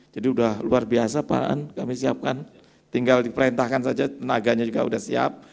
jadi sudah luar biasa paham kami siapkan tinggal diperintahkan saja tenaganya juga sudah siap